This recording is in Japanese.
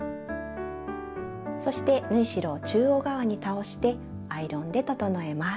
そして縫い代を中央側に倒してアイロンで整えます。